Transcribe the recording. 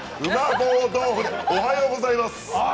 おはようございます！